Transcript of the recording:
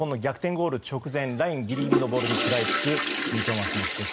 ゴール直前ラインギリギリのボールに食らいつく三笘選手です。